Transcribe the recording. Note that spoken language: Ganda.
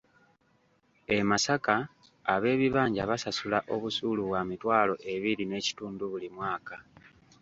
E Masaka ab’ebibanja basasula obusuulu bwa mitwalo ebiri n'ekitundu buli mwaka.